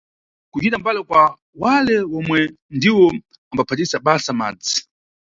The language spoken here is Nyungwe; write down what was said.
Kucita mbali kwa wale omwe ndiwo ambaphatisa basa madzi.